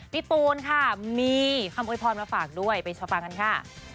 ปูนค่ะมีคำโวยพรมาฝากด้วยไปชมฟังกันค่ะ